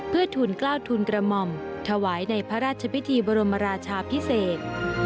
เพื่อทุนกล้าวทุนกระหม่อมถวายในพระราชพิธีบรมราชาพิเศษ